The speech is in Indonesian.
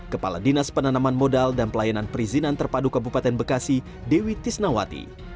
kepala dinas penanaman modal dan pelayanan perizinan terpadu kabupaten bekasi dewi tisnawati